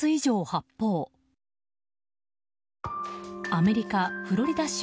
アメリカ・フロリダ州。